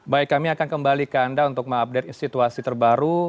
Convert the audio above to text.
baik kami akan kembalikan anda untuk mengupdate situasi terbaru